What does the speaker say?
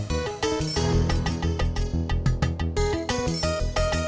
hati hati di jalan